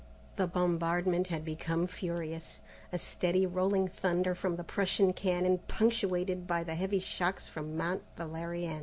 The bombardment had become furious a steady rolling thunder from the Prussian cannon punctuated by the heavy shocks from Mont Valérien.